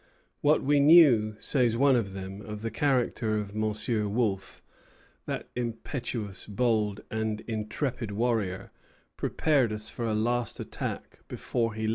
"What we knew," says one of them, "of the character of M. Wolfe, that impetuous, bold, and intrepid warrior, prepared us for a last attack before he left us."